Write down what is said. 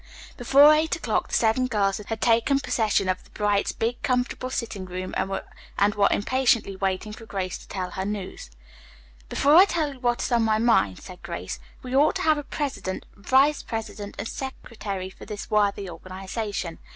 Before eight o'clock the seven girls had taken possession of the Bright's big, comfortable sitting room and were impatiently waiting for Grace to tell her news. "Before I tell you what is on my mind," said Grace, "we ought to have a president, vice president and secretary for this worthy organization.